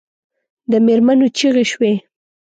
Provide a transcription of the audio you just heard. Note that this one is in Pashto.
د مېرمنو چیغې شوې.